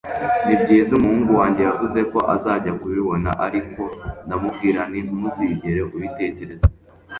Nibyiza umuhungu wanjye yavuze ko azajya kubibona ariko ndamubwira nti ntuzigere ubitekereza